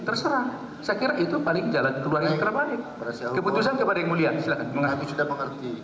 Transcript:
terserah saya kira itu paling jalan keluar yang terbaik keputusan kepada yang mulia silahkan